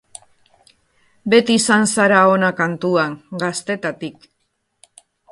Beti izan zara ona kantuan, gaztetatik.